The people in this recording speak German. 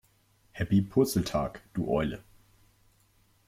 Happy Purzeltag, du Eule!